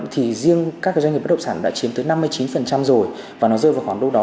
thì riêng các doanh nghiệp bất động sản đã chiếm tới năm mươi chín rồi và nó rơi vào khoảng đâu đó